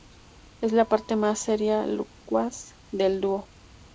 Es la parte más seria y locuaz del dúo.